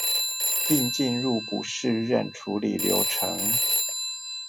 並進入不適任處理流程